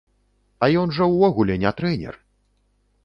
А ён жа ўвогуле не трэнер!